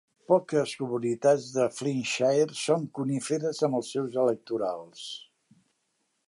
Poques comunitats de Flintshire són coníferes amb els seus electorals.